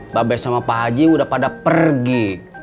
mbak bes sama pak haji udah pada pergi